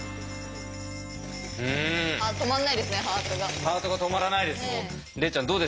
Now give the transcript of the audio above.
ハートが止まらないです。